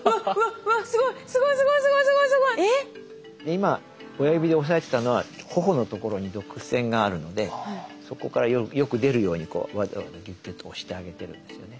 今親指で押さえてたのは頬のところに毒腺があるのでそこからよく出るようにわざわざギュッギュッと押してあげてるんですよね。